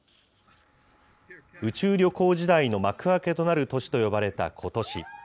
宇宙旅行時代の幕開けとなる年と呼ばれたことし。